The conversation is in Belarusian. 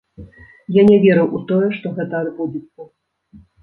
Я не верыў у тое, што гэта адбудзецца.